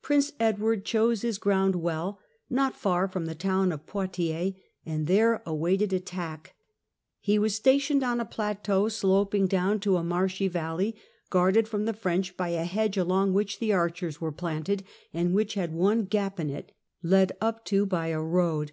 Prince Edward chose his ground well not far from the Battle of town of Poiticrs and there awaited attack. He was 19th Sept. stationed on a plateau sloping down to a marshy valley, 1356 guarded from the French by a hedge along which the archers were planted, and which had one gap in it, led up to by a road.